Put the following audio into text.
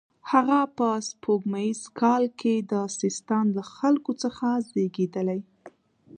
هغه په سپوږمیز کال کې د سیستان له خلکو څخه زیږېدلی.